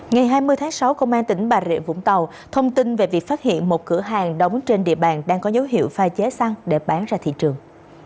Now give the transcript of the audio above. ngày hai mươi tháng sáu công an tỉnh bà rịa vũng tàu thông tin về việc phát hiện một cửa hàng đóng trên địa bàn đang có dấu hiệu pha chế xăng để bán ra thị trường